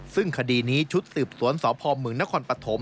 ซึ่งคดีนี้ชุดสืบสวนสพมนครปฐม